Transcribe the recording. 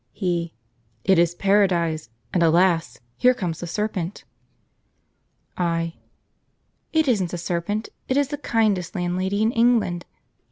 He. "It is Paradise; and alas! here comes the serpent!" I. "It isn't a serpent; it is the kindest landlady in England.